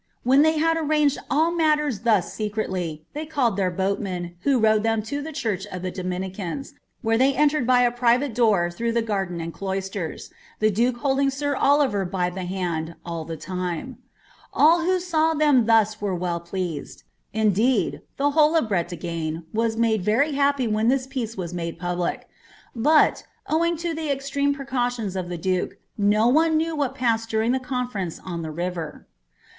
When they had arranged all mailers ihw ^^anvily. they called their boatman, who rowed them to the church of ^ I 4 I Domitricans, which they entered by a private door through the D and cloisters, the duke holding sir Oliver by the hand all the All who saw them thus were well pleased ; indeed, the whole of BiMagnc was made very happy when this peace was made public; but. »wing to the extreme precautions of the duke, no one knew what passed iuring the conference on the river.